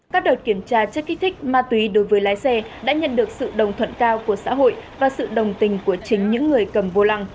các đợt kiểm tra chất kích thích ma túy đối với lái xe đã nhận được sự đồng thuận cao của xã hội và sự đồng tình của chính những người cầm vô lăng